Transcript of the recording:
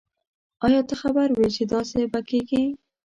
آیا ته خبر وی چې داسي به کیږی